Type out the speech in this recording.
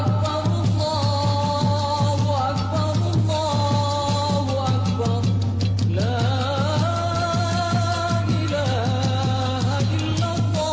kita semua juga berharap nanti masyarakat bisa berhenti